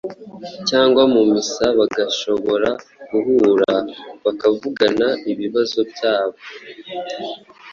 cyangwa mu misa, bagashobora guhura, bakavugana ibibazo byabo,